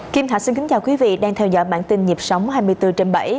kim thạch xin kính chào quý vị đang theo dõi bản tin nhịp sống hai mươi bốn trên bảy